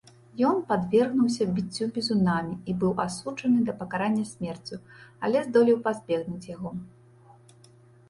Ён падвергнуўся біццю бізунамі і быў асуджаны да пакарання смерцю, але здолеў пазбегнуць яго.